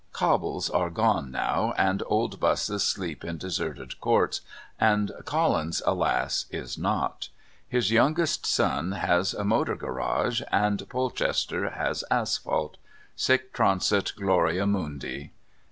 Cobbles are gone now, and old buses sleep in deserted courts, and Collins, alas, is not. His youngest son has a motor garage, and Polchester has asphalt sic transit gloria, mundi.